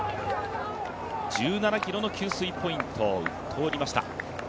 １７ｋｍの給水ポイントを通りました。